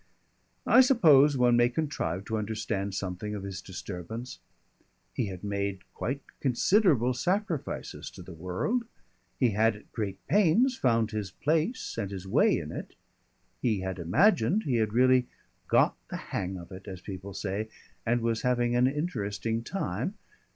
I suppose one may contrive to understand something of his disturbance. He had made quite considerable sacrifices to the world. He had, at great pains, found his place and his way in it, he had imagined he had really "got the hang of it," as people say, and was having an interesting time.